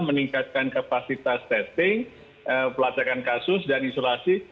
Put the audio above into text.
meningkatkan kapasitas testing pelacakan kasus dan isolasi